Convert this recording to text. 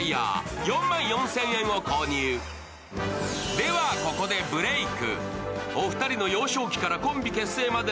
ではここでブレーク。